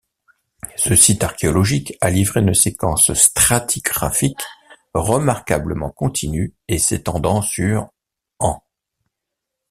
Ce site archéologique a livré une séquence stratigraphique remarquablement continue et s'étendant sur ans.